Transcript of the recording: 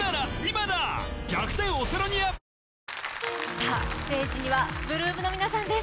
さあ、ステージには、８ＬＯＯＭの皆さんです。